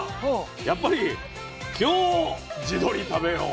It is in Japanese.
やっぱり「今日地鶏」食べよう。